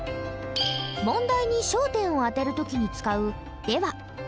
問題に焦点を当てる時に使う「では」。